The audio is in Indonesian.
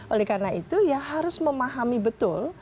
oleh karena itu ya harus memahami betul